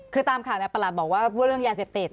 คือตามคำประหลัดบอกว่าเรื่องยานเสพติด